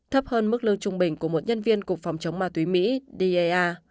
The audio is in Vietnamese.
thấp hơn mức lương trung bình của một nhân viên cục phòng chống ma túy mỹ dea